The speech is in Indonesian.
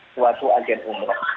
suatu agen umroh